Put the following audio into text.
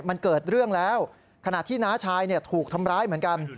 มันเกิดเรื่องแล้วขณะที่น้าชายถูกทำร้ายเหมือนกัน